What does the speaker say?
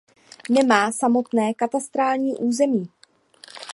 Nemá samostatné katastrální území.